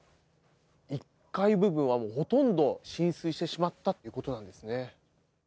１階部分はほとんど、浸水してしまったってことなんですね。